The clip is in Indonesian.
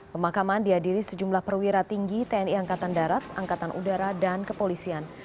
pemakaman dihadiri sejumlah perwira tinggi tni angkatan darat angkatan udara dan kepolisian